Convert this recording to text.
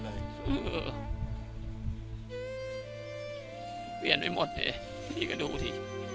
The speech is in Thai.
เปลี่ยนไปหมดเลยนี่ก็ดูสิ